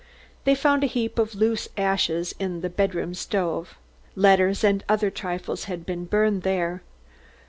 They found a heap of loose ashes in the bedroom stove. Letters and other trifles had been burned there.